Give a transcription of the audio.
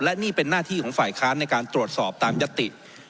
และนี่เป็นหน้าที่ของฝ่ายค้านในการตรวจสอบตามยติ